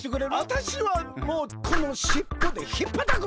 わたしはもうこのしっぽでひっぱったくのよ。